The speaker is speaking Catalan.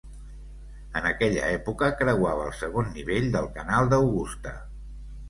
En aquella època creuava el segon nivell del canal d'Augusta.